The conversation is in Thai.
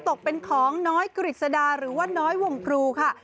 ตกเป็นของน้อยกฤษดาหรือว่าน้อยวงครูค่ะ